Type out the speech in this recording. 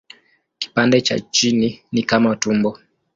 Kipande cha chini ni kama tumbo.